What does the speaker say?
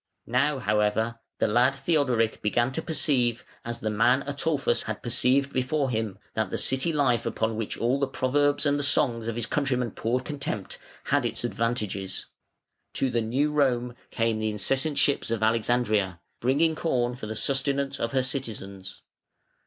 Now, however, the lad Theodoric began to perceive, as the man Ataulfus had perceived before him, that the city life upon which all the proverbs and the songs of his countrymen poured contempt, had its advantages. To the New Rome came the incessant ships of Alexandria, bringing corn for the sustenance of her citizens.